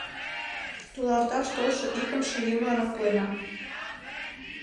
Туларташ толшо икымше еҥланак пуэна.